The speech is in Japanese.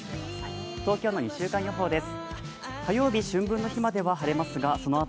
東京の２週間予報です。